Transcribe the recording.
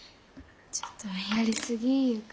ちょっとやりすぎいうか。